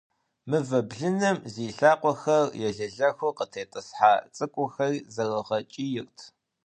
Мывэ блыным зи лъакъуэхэр елэлэхыу къытетIысхьа цIыкIухэри зэрыгъэкIийрт.